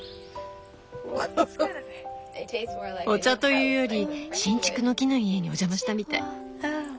お茶というより新築の木の家にお邪魔したみたい。